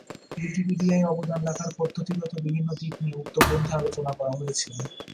উইকিপিডিয়ায় অবদান রাখার পদ্ধতিগত বিভিন্ন দিক নিয়ে উক্ত গ্রন্থে আলোচনা করা হয়েছে।